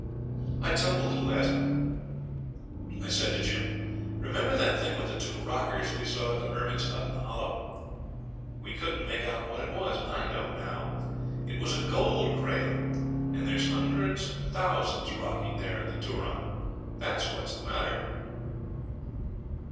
I tumbled at last. 'Remember that thing with the two rockers we saw at the Hermit's Hut in the Hollow?' I said to Jim. 'We couldn't make out what it was. I know now; it was a gold cradle, and there's hundreds and thousands rocking there at the Turon. That's what's the matter.'